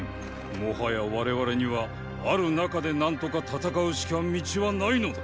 もはや我々にはある中で何とか戦うしか道はないのだ。